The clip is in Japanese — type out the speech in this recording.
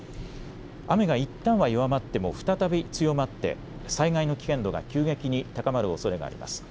雨がいったんは弱まっても再び強まって災害の危険度が急激に高まるおそれがあります。